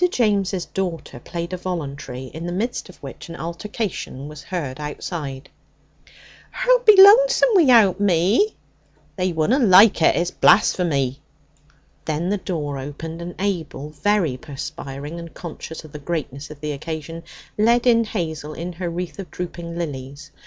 James' daughter played a voluntary, in the midst of which an altercation was heard outside. 'Her'll be lonesome wi'out me!' 'They wunna like it. It's blasphemy.' Then the door opened, and Abel, very perspiring, and conscious of the greatness of the occasion, led in Hazel in her wreath of drooping lilies.